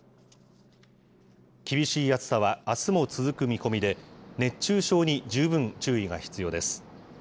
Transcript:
厳しい暑さはあすも続く見込みで、熱中症に十分注意が必要です。